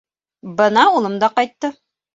— Бына улым да ҡайтты.